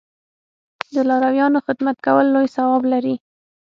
د لارویانو خدمت کول لوی ثواب لري.